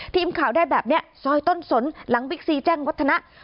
ทีมข่าวได้แบบนี้ซอยต้นสนหลังบิ๊กซีแจ้งวัฒนะ